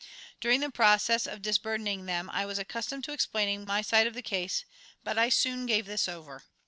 During the process of disburdening them I was accustomed to explaining my side of the case, but I soon gave this over.